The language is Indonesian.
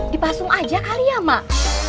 dipasung aja kali ya mak